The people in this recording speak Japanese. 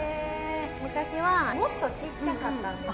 昔はもっとちっちゃかったんですけど。